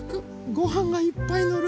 ごはんがいっぱいのる。